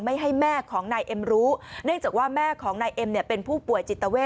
ไม่ให้แม่ของนายเอ็มรู้เนื่องจากว่าแม่ของนายเอ็มเป็นผู้ป่วยจิตเวท